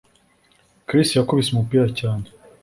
Chris yakubise umupira cyane